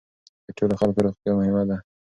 د ټولو خلکو روغتیا مهمه ده.